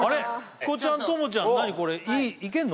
ヒコちゃんともちゃん何これいけるの？